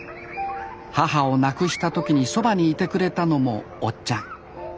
母を亡くした時にそばにいてくれたのもおっちゃん。